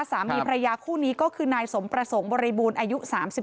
สามีพระยาคู่นี้ก็คือนายสมประสงค์บริบูรณ์อายุ๓๒